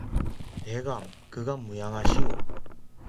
대감, 그간 무양하시오?